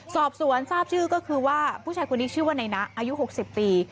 สอบสวนทราบชื่อก็คือว่าผู้ชายคนนี้ชื่อว่าในนะอายุ๖๐ปี